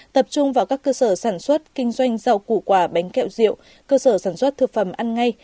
tập trung vào các cơ sở sản xuất kinh doanh rau củ quả bánh kẹo rượu cơ sở sản xuất thực phẩm ăn ngay